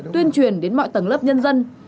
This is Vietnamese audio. tuyên truyền đến mọi tầng lớp nhân dân